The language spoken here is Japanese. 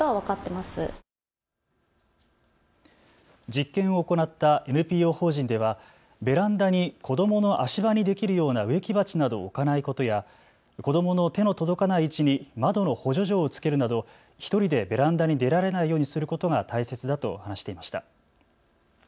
実験を行ったＮＰＯ法人ではベランダに子どもの足場にできるような植木鉢などを置かないことや子どもの手の届かない位置に窓の補助鍵をつけるなど１人でベランダに出られないようにすることが大切だと話していました。